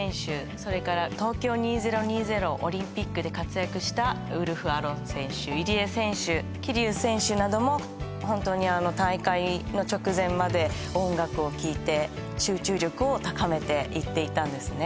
それから東京２０２０オリンピックで活躍したウルフ・アロン選手入江選手桐生選手などもホントにあの大会の直前まで音楽を聴いて集中力を高めていっていたんですね